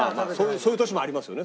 そういう年もありますよね